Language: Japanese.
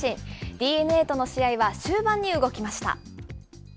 ＤｅＮＡとの試合は終盤に動きました。